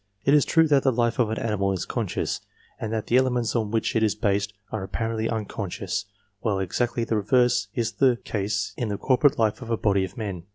It is true that the life of an animal is conscious, and that the elements on which it is based are apparently unconscious, while exactly the reverse is the case in the corporate life of a body of men.